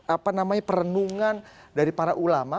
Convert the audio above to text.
apa namanya perenungan dari para ulama